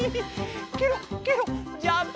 ケロッケロッジャンプ！